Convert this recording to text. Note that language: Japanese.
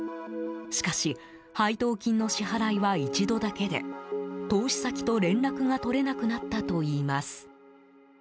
しかし配当金の支払いは１度だけで投資先と、連絡が取れなくなったといいます。